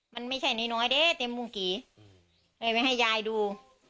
มันไม่ใช่หน่อยหน่อยด้วยเต็มบุงกีเลยไว้ให้ยายดู